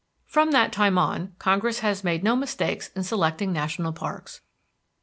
From that time on Congress has made no mistakes in selecting national parks.